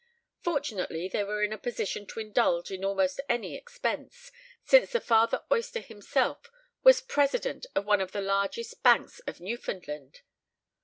Fortunately they were in a position to indulge in almost any expense, since the father oyster himself was president of one of the largest banks of Newfoundland.